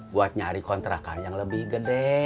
buat nyari kontrakan yang lebih gede